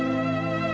saya udah nggak peduli